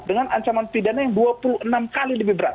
dengan ancaman pidana yang dua puluh enam kali lebih berat